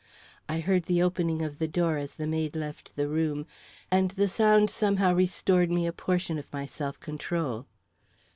I heard the opening of the door as the maid left the room, and the sound somehow restored me a portion of my self control.